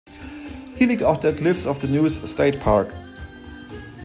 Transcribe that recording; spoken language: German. Hier liegt auch der "Cliffs of the Neuse State Park".